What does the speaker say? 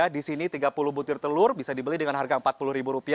di sini rp tiga puluh butir telur bisa dibeli dengan harga rp empat puluh